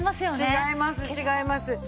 違います違います。